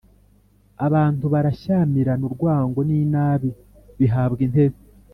abantu barashyamirana, urwango n’inabi bihabwa intebe.